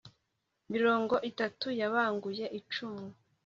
mirongo itatu yabanguye icumu